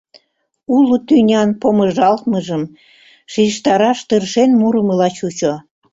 Уло тӱнян помыжалтмыжым шижтараш тыршен мурымыла чучо.